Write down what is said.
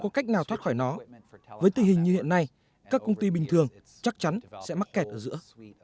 có cách nào thoát khỏi nó với tình hình như hiện nay các công ty bình thường chắc chắn sẽ mắc kẹt ở giữa